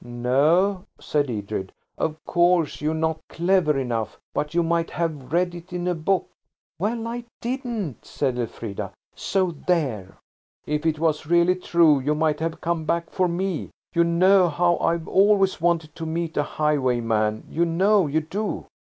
"No," said Edred. "Of course, you're not clever enough. But you might have read it in a book." "Well, I didn't," said Elfrida,–"so there!" "If it was really true, you might have come back for me. You know how I've always wanted to meet a highwayman–you know you do."